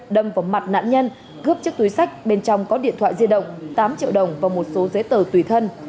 đâm vào mặt nạn nhân cướp chiếc túi sách bên trong có điện thoại di động tám triệu đồng và một số giấy tờ tùy thân